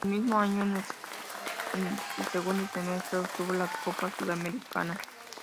El mismo año, en el segundo semestre, obtuvo la Copa Sudamericana.